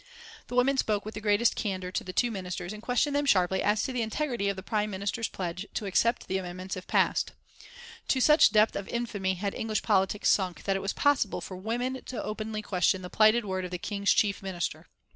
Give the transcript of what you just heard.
The women spoke with the greatest candour to the two ministers and questioned them sharply as to the integrity of the Prime Minister's pledge to accept the amendments, if passed. To such depth of infamy had English politics sunk that it was possible for women openly to question the plighted word of the King's chief Minister!